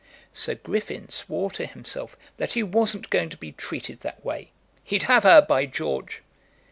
Sir Griffin swore to himself that he wasn't going to be treated that way. He'd have her, by George!